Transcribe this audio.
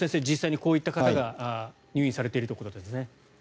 実際にこういった方が入院されているということです。